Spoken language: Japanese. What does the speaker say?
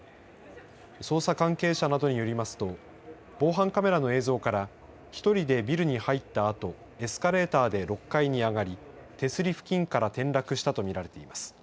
捜査関係者などによりますと防犯カメラの映像から１人でビルに入ったあとエスカレーターで６階に上がり手すり付近から転落したとみられています。